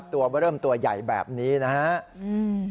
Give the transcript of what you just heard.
ตัวเริ่มตัวใหญ่แบบนี้นะครับ